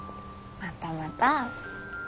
またまた。